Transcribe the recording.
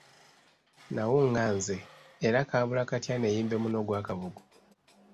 Nnawunga nze era kaabula katya neeyimbemu n'ogwa kabugu!